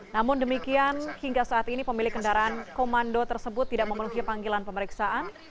namun demikian hingga saat ini pemilik kendaraan komando tersebut tidak memenuhi panggilan pemeriksaan